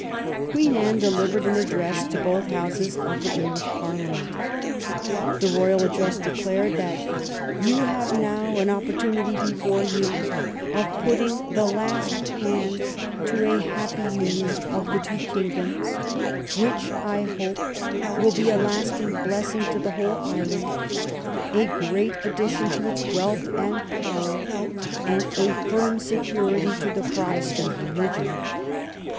Qiieen Anne delivered an address to both Houses of the English Parliament. The royal address de clared that " You have now an opportunity before you of putting the last hand to a happy union of the two kingdoms, which, I hope, will be a lasting blessing to the whole island, a great addition to its wealth and power, and a firm security to the Protestant religion.